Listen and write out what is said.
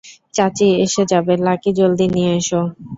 চাচি এসে যাবে, লাকি, জলদি নিয়ে এসো।